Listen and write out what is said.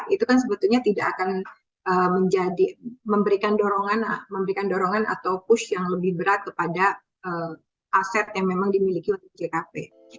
itu kan sebetulnya tidak akan memberikan dorongan atau push yang lebih berat kepada aset yang memang dimiliki oleh jkp